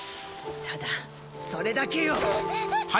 ただそれだけよ！